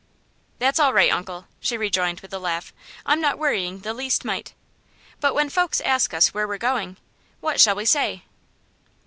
"That's all right, Uncle," she rejoined, with a laugh. "I'm not worrying the least mite. But when folks ask us where we're going, what shall we say?"